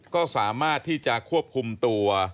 ก็สามารถที่จะควบคุมตัว